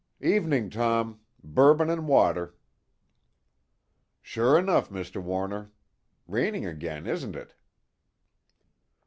"Evening, Tom. Bourbon and water." "Sure enough, Mr. Warner. Raining again, isn't it?"